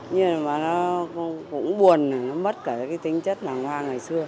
nhưng mà nó cũng buồn nó mất cả cái tính chất làng hoa ngày xưa